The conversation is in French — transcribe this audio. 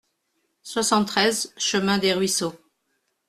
soixante-treize chemin Desruisseaux